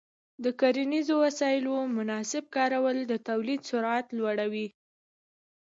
د کرنیزو وسایلو مناسب کارول د تولید سرعت لوړوي.